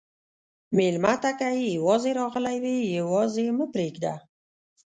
مېلمه ته که یواځې راغلی وي، یواځې مه پرېږده.